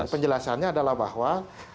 penjelasannya adalah bahwa